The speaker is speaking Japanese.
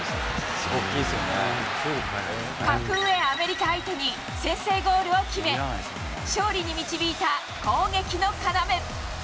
格上アメリカ相手に先制ゴールを決め、勝利に導いた攻撃の要。